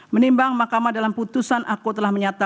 menimbang makamah dalam putusan aku telah menyatakan